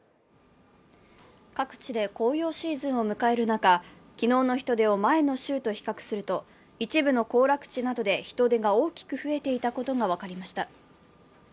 各地で紅葉シーズンを迎える中、昨日の人出を前の週と比較すると一部の行楽地などで人出が大きく増えていたことが分かりました。